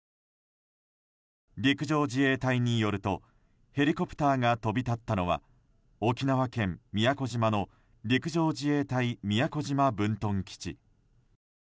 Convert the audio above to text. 陸上自衛隊によるとヘリコプターが飛び立ったのは沖縄県宮古島の陸上自衛隊宮古島分屯基地。